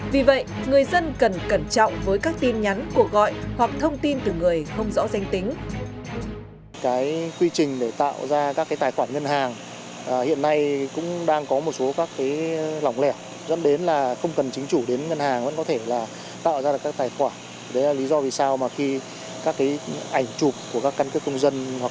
vì vậy người dân cần cẩn trọng với các tin nhắn cuộc gọi hoặc thông tin từ người không rõ danh tính